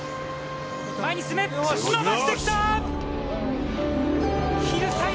前に進む、伸ばしてきた。